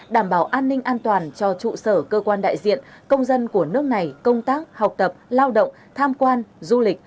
đảm bảo an ninh an toàn cho trụ sở cơ quan đại diện công dân của nước này công tác học tập lao động tham quan du lịch